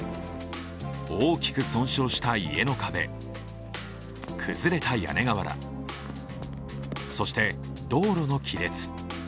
大きく損傷した家の壁、崩れた屋根瓦、そして道路の亀裂。